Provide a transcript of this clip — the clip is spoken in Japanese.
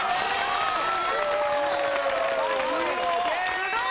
すごーい！